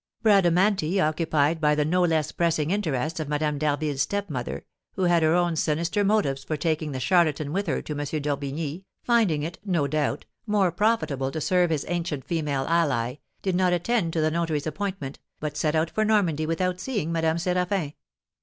Bradamanti, occupied by the no less pressing interests of Madame d'Harville's stepmother, who had her own sinister motives for taking the charlatan with her to M. d'Orbigny, finding it, no doubt, more profitable to serve his ancient female ally, did not attend to the notary's appointment, but set out for Normandy without seeing Madame Séraphin.